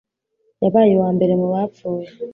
Yabaye uwambere mu bapfuye